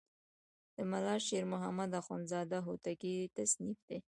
د ملا شیر محمد اخوندزاده هوتکی تصنیف دی.